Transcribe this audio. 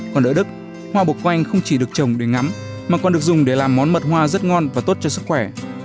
còn ở đức hoa bồ công anh không chỉ được trồng để ngắm mà còn được dùng để làm món mật hoa rất ngon và tốt cho sức khỏe